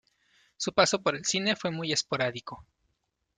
Su paso por el cine fue muy esporádico.